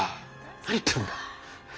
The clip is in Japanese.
何言ってるんだ！